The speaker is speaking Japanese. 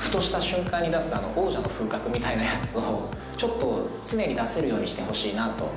ふとした瞬間に出す王者の風格みたいなやつを常に出せるようにしてほしいなと。